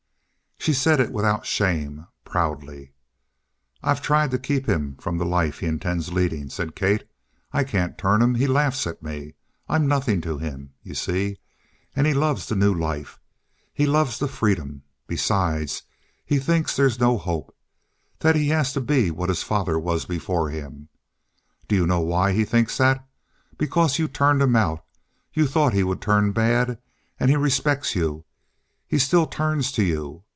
She said it without shame, proudly. "I've tried to keep him from the life he intends leading," said Kate. "I can't turn him. He laughs at me. I'm nothing to him, you see? And he loves the new life. He loves the freedom. Besides, he thinks that there's no hope. That he has to be what his father was before him. Do you know why he thinks that? Because you turned him out. You thought he would turn bad. And he respects you. He still turns to you.